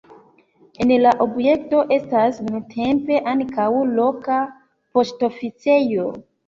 En la objekto estas nuntempe ankaŭ loka poŝtoficejo.